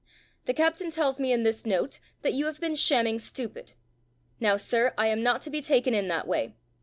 The captain tells me in this note that you have been shamming stupid. Now, sir, I am not to be taken in that way.